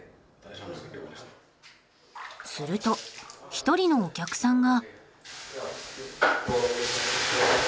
すると一人のお客さんが。